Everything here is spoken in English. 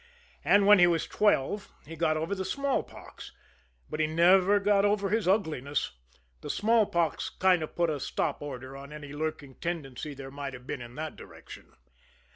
And when he was twelve he got over the smallpox; but he never got over his ugliness the smallpox kind of put a stop order on any lurking tendency there might have been in that direction.